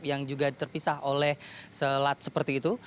yang juga terpisah oleh selat seperti itu